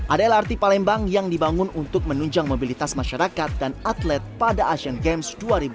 ada lrt palembang yang dibangun untuk menunjang mobilitas masyarakat dan atlet pada asian games dua ribu delapan belas